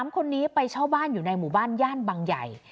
๓คนนี้ไปเช่าบ้านอยู่ในหมู่บ้านย่านบางใหญ่